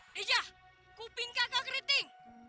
dija kuping kakak keriting